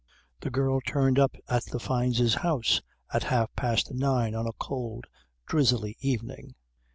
The girl turned up at the Fynes' house at half past nine on a cold, drizzly evening.